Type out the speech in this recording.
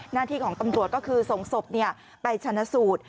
หน้าที่ของตำรวจก็คือส่งศพไปชนะสูตร